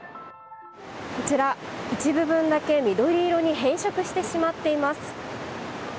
こちら、一部分だけ緑色に変色してしまっています。